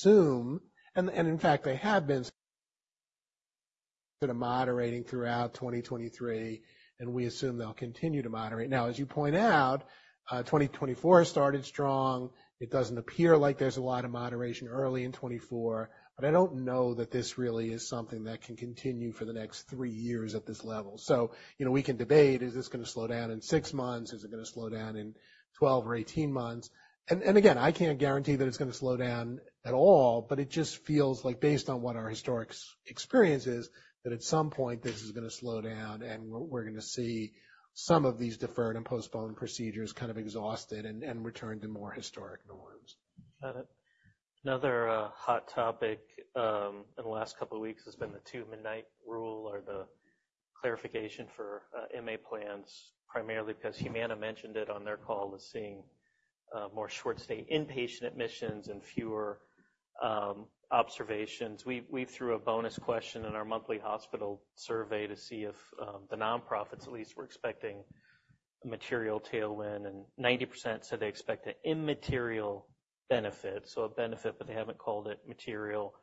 Assume, and in fact they have been, sort of moderating throughout 2023, and we assume they'll continue to moderate. Now, as you point out, 2024 started strong. It doesn't appear like there's a lot of moderation early in 2024, but I don't know that this really is something that can continue for the next three years at this level. So we can debate, is this going to slow down in six months? Is it going to slow down in 12 or 18 months? And again, I can't guarantee that it's going to slow down at all, but it just feels like, based on what our historic experience is, that at some point this is going to slow down and we're going to see some of these deferred and postponed procedures kind of exhausted and return to more historic norms. Got it. Another hot topic in the last couple of weeks has been the Two-Midnight Rule or the clarification for MA plans, primarily because Humana mentioned it on their call as seeing more short-stay inpatient admissions and fewer observations. We threw a bonus question in our monthly hospital survey to see if the nonprofits at least were expecting a material tailwind, and 90% said they expect an immaterial benefit, so a benefit, but they haven't called it material.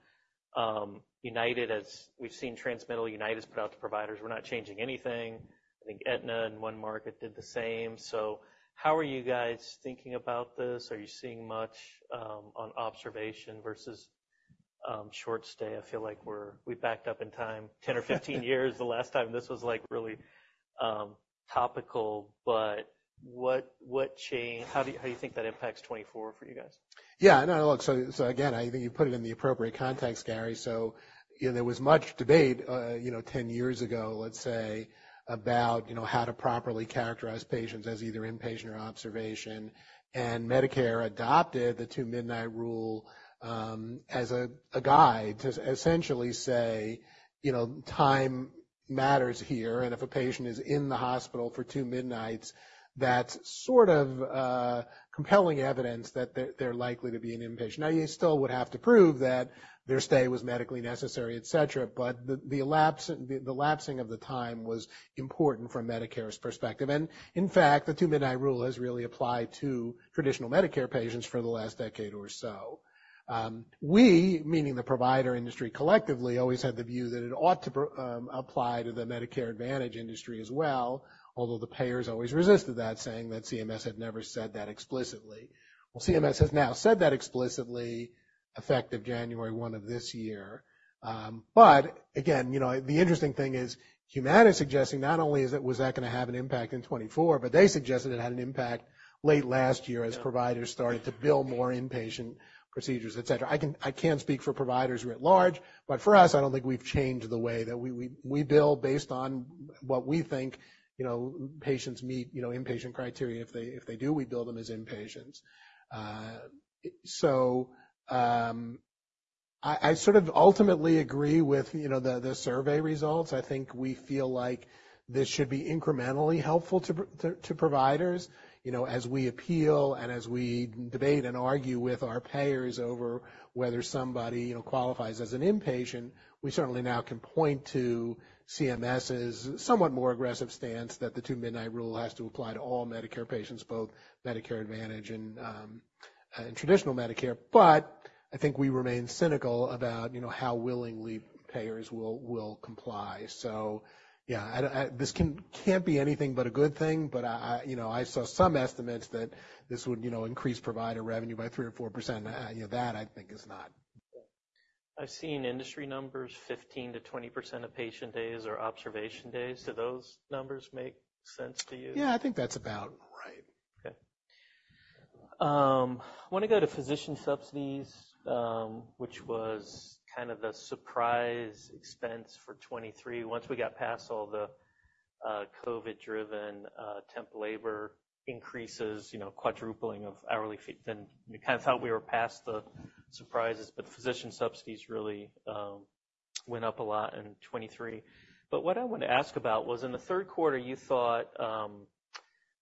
United, as we've seen transmittal United put out to providers, "We're not changing anything." I think Aetna and OneMarket did the same. So how are you guys thinking about this? Are you seeing much on observation versus short-stay? I feel like we've backed up in time 10 or 15 years. The last time this was really topical, but how do you think that impacts 2024 for you guys? Yeah. No, look, so again, I think you put it in the appropriate context, Gary. So there was much debate 10 years ago, let's say, about how to properly characterize patients as either inpatient or observation, and Medicare adopted the Two-Midnight Rule rule as a guide to essentially say time matters here, and if a patient is in the hospital for two midnights, that's sort of compelling evidence that they're likely to be an inpatient. Now, you still would have to prove that their stay was medically necessary, etc., but the lapsing of the time was important from Medicare's perspective. And in fact, the Two-Midnight Rule has really applied to traditional Medicare patients for the last decade or so. We, meaning the provider industry collectively, always had the view that it ought to apply to the Medicare Advantage industry as well, although the payers always resisted that, saying that CMS had never said that explicitly. Well, CMS has now said that explicitly effective January 1 of this year. But again, the interesting thing is Humana suggesting not only was that going to have an impact in 2024, but they suggested it had an impact late last year as providers started to bill more inpatient procedures, etc. I can't speak for providers writ large, but for us, I don't think we've changed the way that we bill based on what we think patients meet inpatient criteria. If they do, we bill them as inpatients. So I sort of ultimately agree with the survey results. I think we feel like this should be incrementally helpful to providers. As we appeal and as we debate and argue with our payers over whether somebody qualifies as an inpatient, we certainly now can point to CMS's somewhat more aggressive stance that the Two-Midnight Rule has to apply to all Medicare patients, both Medicare Advantage and traditional Medicare. But I think we remain cynical about how willingly payers will comply. So yeah, this can't be anything but a good thing, but I saw some estimates that this would increase provider revenue by 3%-4%. That, I think, is not. I've seen industry numbers, 15%-20% of patient days are observation days. Do those numbers make sense to you? Yeah, I think that's about right. Okay. I want to go to physician subsidies, which was kind of the surprise expense for 2023 once we got past all the COVID-driven temp labor increases, quadrupling of hourly fee. Then we kind of thought we were past the surprises, but physician subsidies really went up a lot in 2023. But what I want to ask about was, in the third quarter, you thought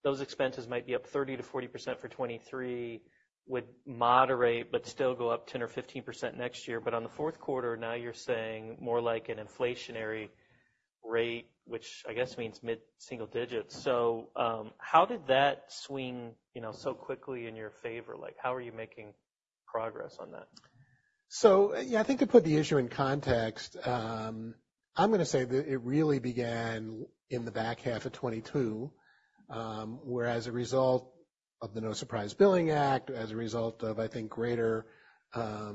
those expenses might be up 30%-40% for 2023, would moderate but still go up 10% or 15% next year. But on the fourth quarter, now you're saying more like an inflationary rate, which I guess means mid-single digits. So how did that swing so quickly in your favor? How are you making progress on that? So yeah, I think to put the issue in context, I'm going to say that it really began in the back half of 2022, where as a result of the No Surprises Act, as a result of, I think, greater,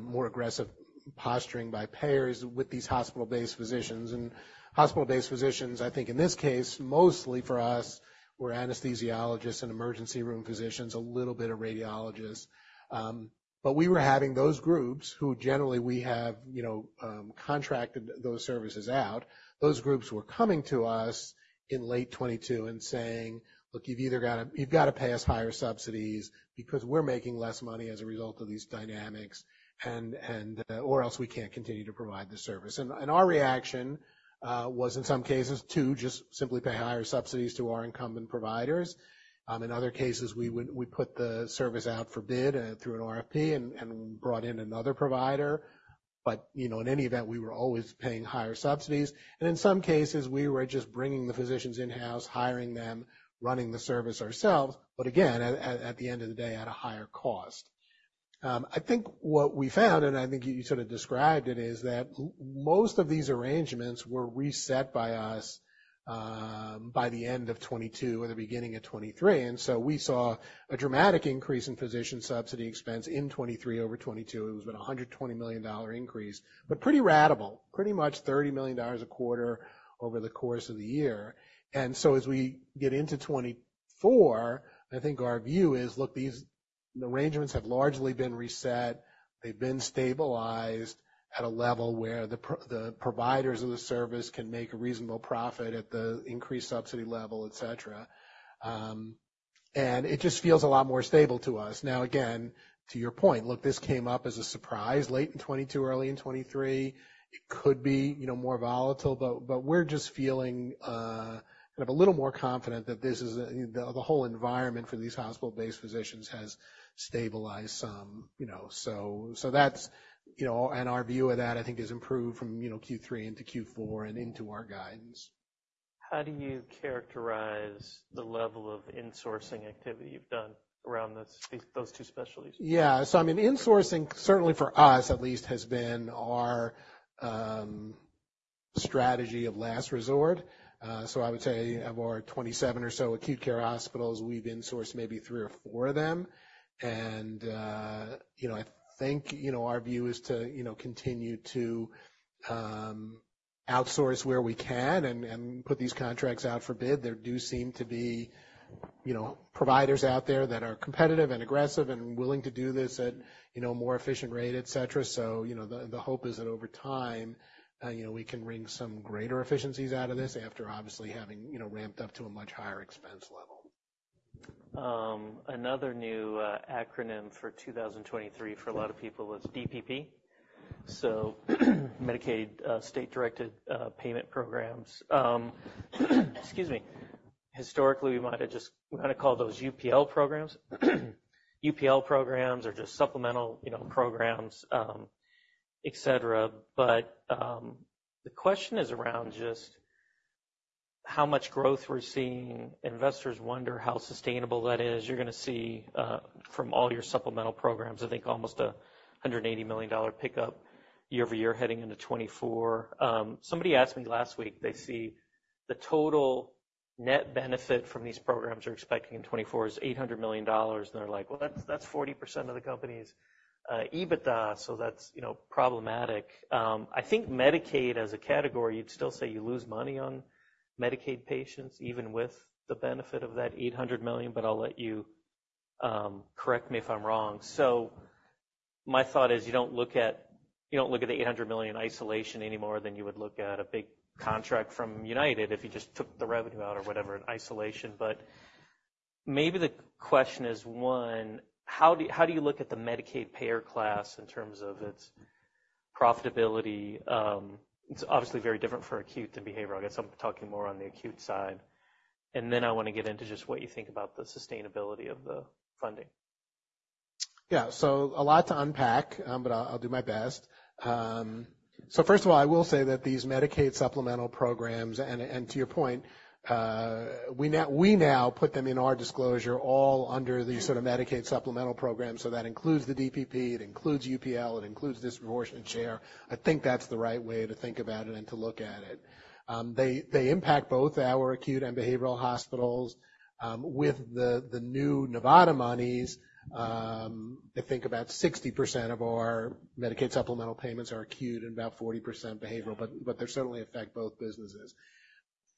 more aggressive posturing by payers with these hospital-based physicians. And hospital-based physicians, I think in this case, mostly for us, were anesthesiologists and emergency room physicians, a little bit of radiologists. But we were having those groups who generally we have contracted those services out. Those groups were coming to us in late 2022 and saying, "Look, you've either got to you've got to pay us higher subsidies because we're making less money as a result of these dynamics, or else we can't continue to provide the service." And our reaction was, in some cases, too, just simply pay higher subsidies to our incumbent providers. In other cases, we put the service out for bid through an RFP and brought in another provider. But in any event, we were always paying higher subsidies. And in some cases, we were just bringing the physicians in-house, hiring them, running the service ourselves, but again, at the end of the day, at a higher cost. I think what we found, and I think you sort of described it, is that most of these arrangements were reset by us by the end of 2022 or the beginning of 2023. And so we saw a dramatic increase in physician subsidy expense in 2023 over 2022. It was about a $120 million increase, but pretty radical, pretty much $30 million a quarter over the course of the year. And so as we get into 2024, I think our view is, "Look, these arrangements have largely been reset. They've been stabilized at a level where the providers of the service can make a reasonable profit at the increased subsidy level," etc. It just feels a lot more stable to us. Now, again, to your point, look, this came up as a surprise late in 2022, early in 2023. It could be more volatile, but we're just feeling kind of a little more confident that this is the whole environment for these hospital-based physicians has stabilized some. So that's and our view of that, I think, has improved from Q3 into Q4 and into our guidance. How do you characterize the level of insourcing activity you've done around those two specialties? Yeah. So I mean, insourcing, certainly for us at least, has been our strategy of last resort. So I would say of our 27 or so acute care hospitals, we've insourced maybe three or four of them. And I think our view is to continue to outsource where we can and put these contracts out for bid. There do seem to be providers out there that are competitive and aggressive and willing to do this at a more efficient rate, etc. So the hope is that over time, we can wring some greater efficiencies out of this after obviously having ramped up to a much higher expense level. Another new acronym for 2023 for a lot of people was DPP, so Medicaid State-Directed Payment Programs. Excuse me. Historically, we might have called those UPL programs. UPL programs are just supplemental programs, etc. But the question is around just how much growth we're seeing. Investors wonder how sustainable that is. You're going to see from all your supplemental programs, I think, almost a $180 million pickup year-over-year heading into 2024. Somebody asked me last week, "They see the total net benefit from these programs they're expecting in 2024 is $800 million," and they're like, "Well, that's 40% of the company's EBITDA, so that's problematic." I think Medicaid as a category, you'd still say you lose money on Medicaid patients even with the benefit of that $800 million, but I'll let you correct me if I'm wrong. So my thought is you don't look at the $800 million in isolation any more than you would look at a big contract from United if you just took the revenue out or whatever in isolation. But maybe the question is, one, how do you look at the Medicaid payer class in terms of its profitability? It's obviously very different for acute than behavioral. I guess I'm talking more on the acute side. And then I want to get into just what you think about the sustainability of the funding. Yeah. So a lot to unpack, but I'll do my best. So first of all, I will say that these Medicaid supplemental programs, and to your point, we now put them in our disclosure all under these sort of Medicaid supplemental programs. So that includes the DPP. It includes UPL. It includes this reversion and share. I think that's the right way to think about it and to look at it. They impact both our acute and behavioral hospitals. With the new Nevada monies, I think about 60% of our Medicaid supplemental payments are acute and about 40% behavioral, but they certainly affect both businesses.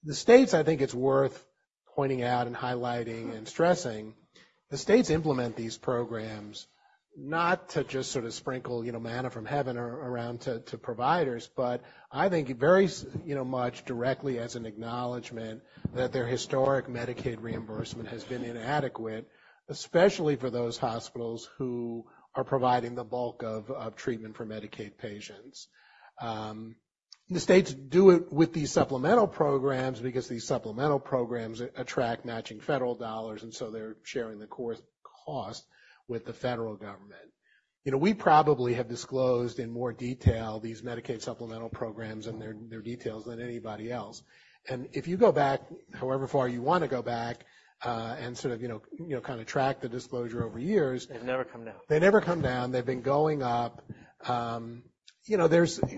The states, I think it's worth pointing out and highlighting and stressing, the states implement these programs not to just sort of sprinkle manna from heaven around to providers, but I think very much directly as an acknowledgment that their historic Medicaid reimbursement has been inadequate, especially for those hospitals who are providing the bulk of treatment for Medicaid patients. The states do it with these supplemental programs because these supplemental programs attract matching federal dollars, and so they're sharing the cost with the federal government. We probably have disclosed in more detail these Medicaid supplemental programs and their details than anybody else. If you go back however far you want to go back and sort of kind of track the disclosure over years. They've never come down. They never come down. They've been going up.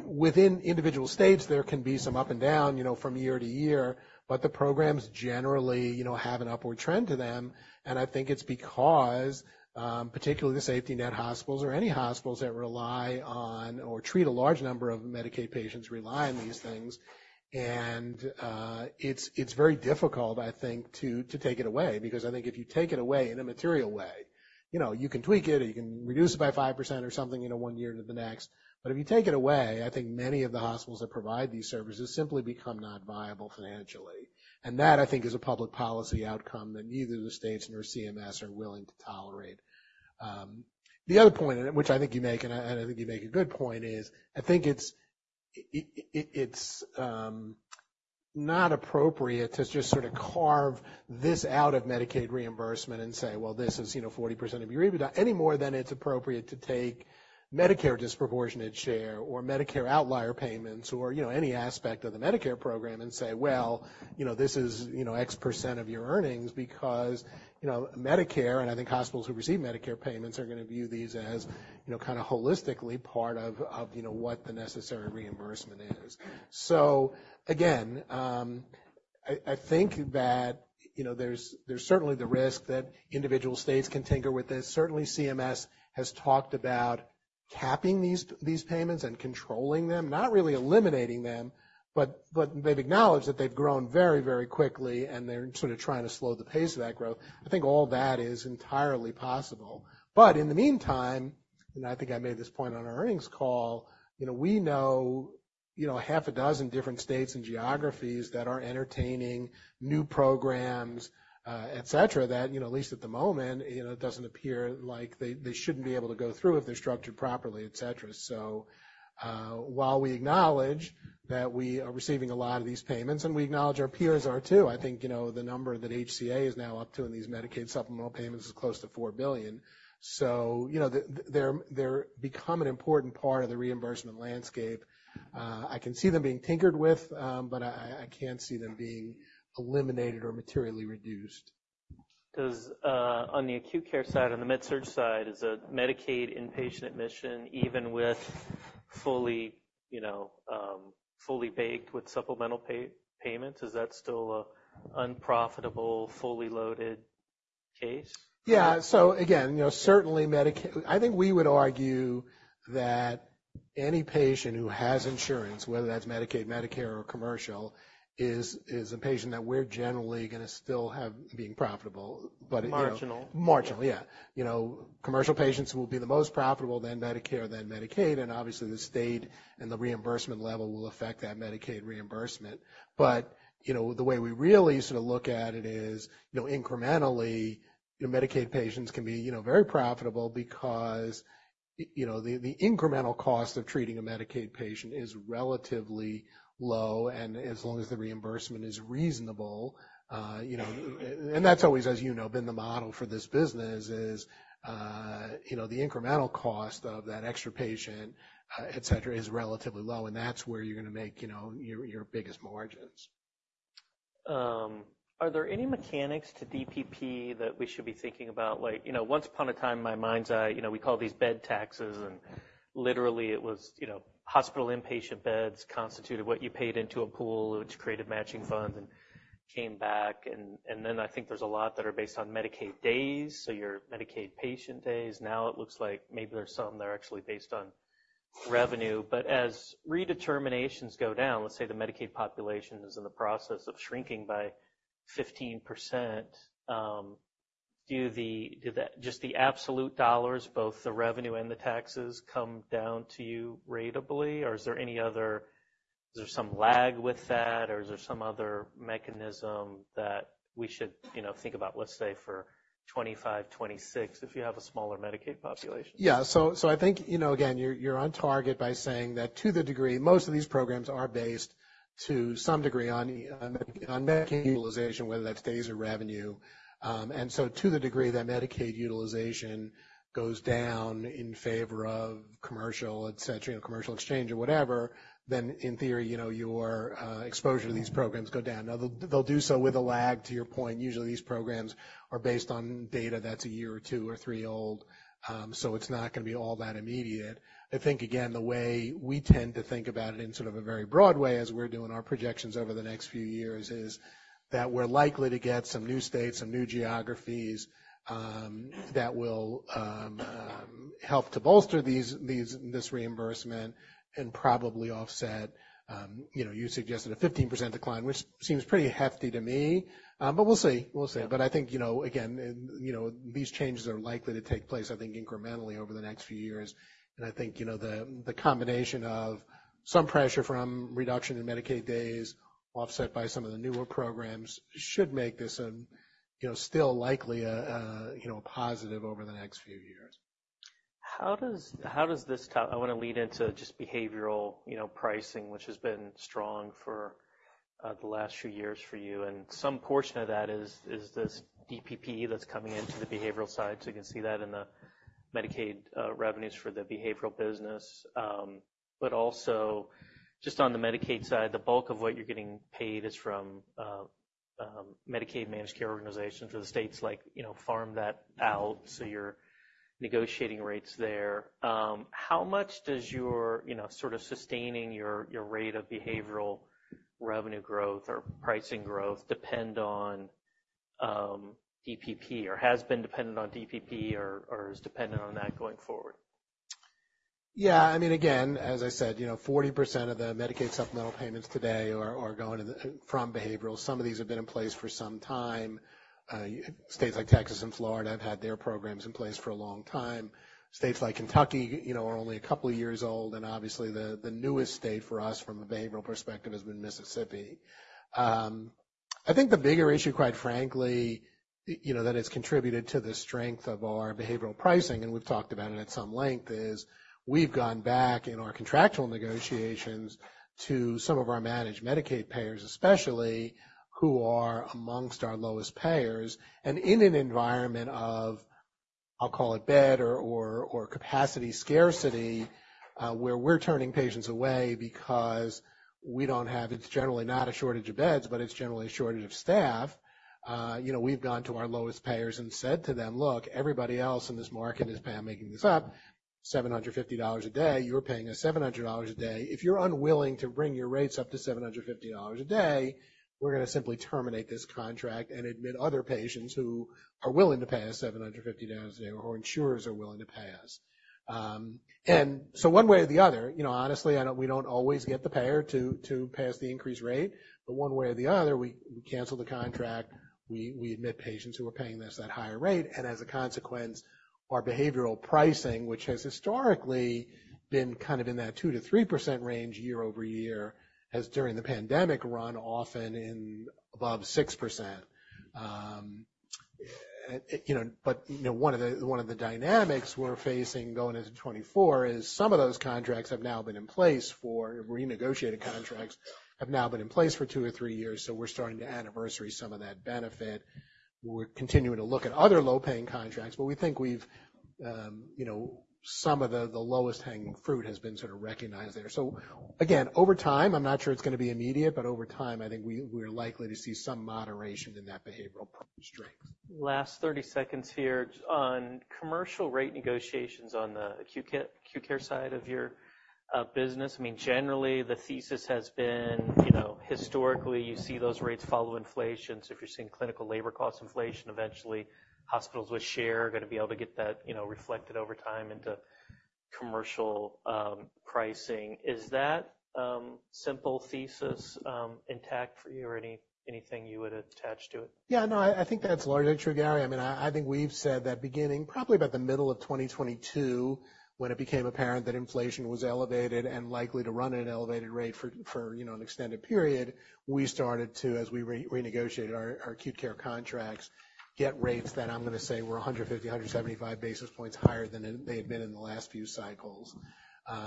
Within individual states, there can be some up and down from year to year, but the programs generally have an upward trend to them. And I think it's because, particularly the safety net hospitals or any hospitals that rely on or treat a large number of Medicaid patients rely on these things. And it's very difficult, I think, to take it away because I think if you take it away in a material way, you can tweak it or you can reduce it by 5% or something one year to the next. But if you take it away, I think many of the hospitals that provide these services simply become not viable financially. And that, I think, is a public policy outcome that neither the states nor CMS are willing to tolerate. The other point, which I think you make, and I think you make a good point, is I think it's not appropriate to just sort of carve this out of Medicaid reimbursement and say, "Well, this is 40% of your EBITDA," any more than it's appropriate to take Medicare disproportionate share or Medicare outlier payments or any aspect of the Medicare program and say, "Well, this is X% of your earnings because Medicare " and I think hospitals who receive Medicare payments are going to view these as kind of holistically part of what the necessary reimbursement is. So again, I think that there's certainly the risk that individual states can tinker with this. Certainly, CMS has talked about capping these payments and controlling them, not really eliminating them, but they've acknowledged that they've grown very, very quickly, and they're sort of trying to slow the pace of that growth. I think all that is entirely possible. But in the meantime, and I think I made this point on our earnings call, we know half a dozen different states and geographies that are entertaining new programs, etc., that at least at the moment, it doesn't appear like they shouldn't be able to go through if they're structured properly, etc. So while we acknowledge that we are receiving a lot of these payments, and we acknowledge our peers are too, I think the number that HCA is now up to in these Medicaid supplemental payments is close to $4 billion. So they're become an important part of the reimbursement landscape. I can see them being tinkered with, but I can't see them being eliminated or materially reduced. Because on the acute care side, on the mid-surge side, is a Medicaid inpatient admission, even with fully baked with supplemental payments, is that still an unprofitable, fully loaded case? Yeah. So again, certainly, Medicaid I think we would argue that any patient who has insurance, whether that's Medicaid, Medicare, or commercial, is a patient that we're generally going to still have being profitable, but. Marginal. Marginal, yeah. Commercial patients will be the most profitable, then Medicare, then Medicaid. And obviously, the state and the reimbursement level will affect that Medicaid reimbursement. But the way we really sort of look at it is incrementally, Medicaid patients can be very profitable because the incremental cost of treating a Medicaid patient is relatively low, and as long as the reimbursement is reasonable. And that's always, as you know, been the model for this business, is the incremental cost of that extra patient, etc., is relatively low, and that's where you're going to make your biggest margins. Are there any mechanics to DPP that we should be thinking about? Once upon a time, my mind's eye, we call these bed taxes, and literally, it was hospital inpatient beds constituted what you paid into a pool, which created matching funds and came back. And then I think there's a lot that are based on Medicaid days, so your Medicaid patient days. Now it looks like maybe there's some that are actually based on revenue. But as redeterminations go down, let's say the Medicaid population is in the process of shrinking by 15%, do just the absolute dollars, both the revenue and the taxes, come down to you ratably, or is there any other, is there some lag with that, or is there some other mechanism that we should think about, let's say, for 2025, 2026 if you have a smaller Medicaid population? Yeah. So I think, again, you're on target by saying that to the degree, most of these programs are based to some degree on Medicaid utilization, whether that's days or revenue. And so to the degree that Medicaid utilization goes down in favor of commercial, etc., commercial exchange or whatever, then in theory, your exposure to these programs go down. Now, they'll do so with a lag. To your point, usually, these programs are based on data that's a year or two or three old, so it's not going to be all that immediate. I think, again, the way we tend to think about it in sort of a very broad way as we're doing our projections over the next few years is that we're likely to get some new states, some new geographies that will help to bolster this reimbursement and probably offset you suggested a 15% decline, which seems pretty hefty to me, but we'll see. We'll see. But I think, again, these changes are likely to take place, I think, incrementally over the next few years. And I think the combination of some pressure from reduction in Medicaid days offset by some of the newer programs should make this still likely a positive over the next few years. I want to lead into just behavioral pricing, which has been strong for the last few years for you. Some portion of that is this DPP that's coming into the behavioral side. So you can see that in the Medicaid revenues for the behavioral business. But also just on the Medicaid side, the bulk of what you're getting paid is from Medicaid managed care organizations or the states like farm that out, so you're negotiating rates there. How much does your sort of sustaining your rate of behavioral revenue growth or pricing growth depend on DPP or has been dependent on DPP or is dependent on that going forward? Yeah. I mean, again, as I said, 40% of the Medicaid supplemental payments today are going from behavioral. Some of these have been in place for some time. States like Texas and Florida have had their programs in place for a long time. States like Kentucky are only a couple of years old. And obviously, the newest state for us from a behavioral perspective has been Mississippi. I think the bigger issue, quite frankly, that it's contributed to the strength of our behavioral pricing, and we've talked about it at some length, is we've gone back in our contractual negotiations to some of our managed Medicaid payers, especially, who are amongst our lowest payers. In an environment of, I'll call it, bed or capacity scarcity where we're turning patients away because we don't have. It's generally not a shortage of beds, but it's generally a shortage of staff, we've gone to our lowest payers and said to them, "Look, everybody else in this market is paying, I'm making this up, $750 a day. You're paying us $700 a day. If you're unwilling to bring your rates up to $750 a day, we're going to simply terminate this contract and admit other patients who are willing to pay us $750 a day or who insurers are willing to pay us." And so one way or the other, honestly, we don't always get the payer to pay us the increased rate. But one way or the other, we cancel the contract. We admit patients who are paying us that higher rate. As a consequence, our behavioral pricing, which has historically been kind of in that 2%-3% range year-over-year, has during the pandemic run often above 6%. But one of the dynamics we're facing going into 2024 is some of those renegotiated contracts have now been in place for two or three years. So we're starting to anniversary some of that benefit. We're continuing to look at other low-paying contracts, but we think some of the lowest-hanging fruit has been sort of recognized there. So again, over time, I'm not sure it's going to be immediate, but over time, I think we're likely to see some moderation in that behavioral strength. Last 30 seconds here on commercial rate negotiations on the acute care side of your business. I mean, generally, the thesis has been historically, you see those rates follow inflation. So if you're seeing clinical labor cost inflation, eventually, hospitals with share are going to be able to get that reflected over time into commercial pricing. Is that simple thesis intact for you or anything you would attach to it? Yeah. No, I think that's largely true, Gary. I mean, I think we've said that beginning probably about the middle of 2022, when it became apparent that inflation was elevated and likely to run at an elevated rate for an extended period, we started to, as we renegotiated our acute care contracts, get rates that I'm going to say were 150-175 basis points higher than they had been in the last few cycles.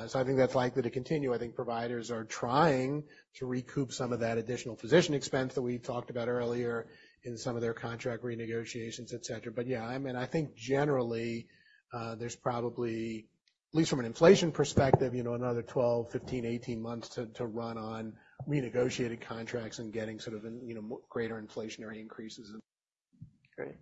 So I think that's likely to continue. I think providers are trying to recoup some of that additional physician expense that we talked about earlier in some of their contract renegotiations, etc. But yeah, I mean, I think generally, there's probably, at least from an inflation perspective, another 12, 15, 18 months to run on renegotiated contracts and getting sort of greater inflationary increases. Great.